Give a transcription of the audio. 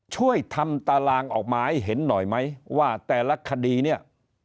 ช่วยทำตารางออกมาให้เห็นหน่อยไหมว่าแต่ละคดีเนี่ย